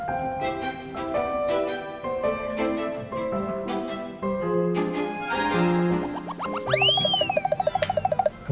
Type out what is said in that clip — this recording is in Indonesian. sampai jumpa lagi